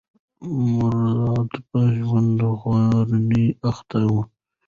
مراد په زړه خوړنې اخته و.